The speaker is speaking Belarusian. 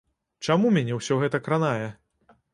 Чаму мяне ўсё гэта кранае?